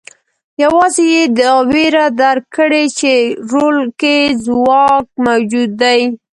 یوازې یې دا وېره درک کړې چې رول کې ځواک موجود دی.